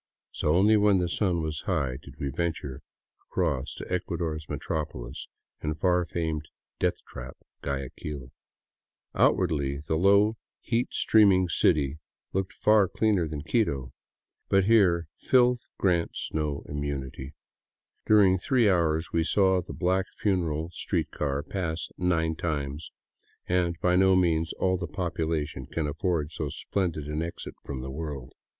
So only when the sun was high did we venture across to Ecuador's metropolis and far famed death trap, Guayaquil. Outwardly, the low, heat steaming city looked far cleaner than Quito. But here filth grants no immunity. During three hours we saw the black funeral street car pass nine times — and by no means all the population can afford so splendid an exit from the world.